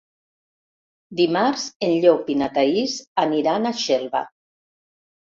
Dimarts en Llop i na Thaís aniran a Xelva.